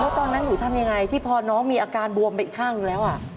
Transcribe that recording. ตอนนั้นหนูทำยังไงที่พอน้องมีอาการบวมไปอีกข้างหนึ่งแล้ว